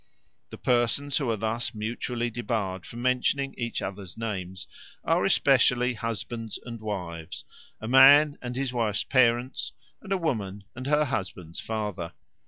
The persons who are thus mutually debarred from mentioning each other's names are especially husbands and wives, a man and his wife's parents, and a woman and her husband's father.